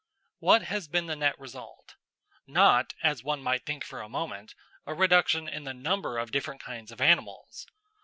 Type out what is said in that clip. What has been the net result? Not, as one might think for a moment, a reduction in the number of different kinds of animals.